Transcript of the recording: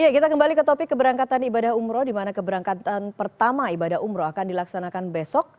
kita kembali ke topik keberangkatan ibadah umroh di mana keberangkatan pertama ibadah umroh akan dilaksanakan besok